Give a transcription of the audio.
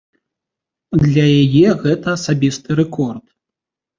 Для яе гэта асабісты рэкорд.